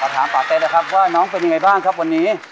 ถามปาเต๊นะครับว่าน้องเป็นยังไงบ้างครับวันนี้